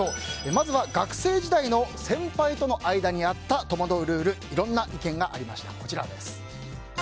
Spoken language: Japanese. まずは学生時代の先輩との間にあった戸惑うルールいろんな意見がありました。